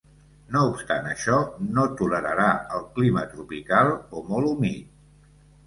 No obstant això, no tolerarà el clima tropical o molt humit.